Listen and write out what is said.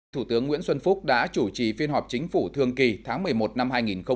thủ tướng nguyễn xuân phúc đã chủ trì phiên họp chính phủ thường kỳ tháng một mươi một năm hai nghìn một mươi chín